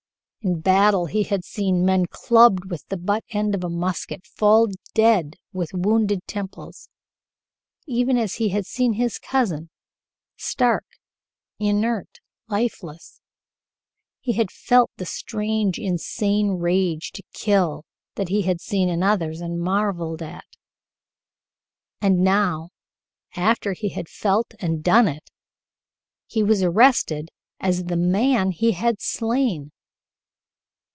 In battle he had seen men clubbed with the butt end of a musket fall dead with wounded temples, even as he had seen his cousin stark inert lifeless. He had felt the strange, insane rage to kill that he had seen in others and marveled at. And now, after he had felt and done it, he was arrested as the man he had slain.